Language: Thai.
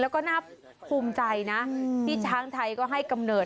แล้วก็น่าภูมิใจนะที่ช้างไทยก็ให้กำเนิด